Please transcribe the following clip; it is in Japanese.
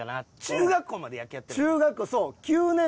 中学校まで野球やってたもんな。